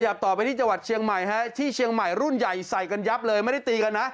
ต่อไปที่จังหวัดเชียงใหม่ฮะที่เชียงใหม่รุ่นใหญ่ใส่กันยับเลยไม่ได้ตีกันนะ